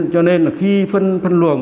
cho nên là khi phân luồng